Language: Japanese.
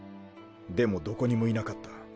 でもどこにもいなかった。